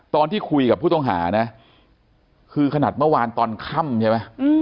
ตอนที่คุยกับผู้ต้องหานะคือขนาดเมื่อวานตอนค่ำใช่ไหม